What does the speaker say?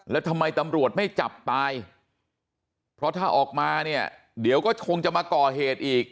แล้วทำไมตำรวจไม่จับตายเพราะถ้าออกมาเนี่ยเดี๋ยวก็คงจะมาก่อเหตุอีก